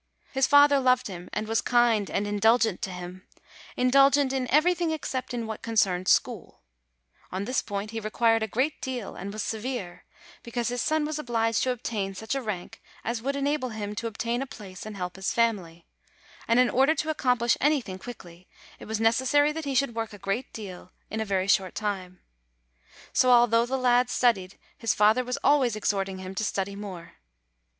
His father loved him and was kind and indulgent to him indulgent in everything except in what concerned school: on this point he required a great deal, and was severe, be cause his son was obliged to attain such a rank as would enable him to obtain a place and help his family ; and in order to accomplish anything quickly, it was necessary that he should work a great deal in a very short time. So although the lad studied, his father was always exhorting him to study more.